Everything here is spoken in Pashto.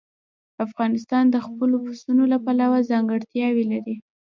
افغانستان د خپلو پسونو له پلوه ځانګړتیاوې لري.